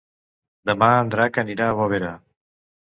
Demà en Drac anirà a Bovera.